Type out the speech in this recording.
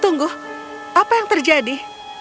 tunggu apa yang terjadi